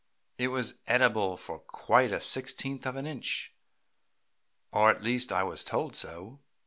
It was edible for quite a sixteenth of an inch, or at least I was told so.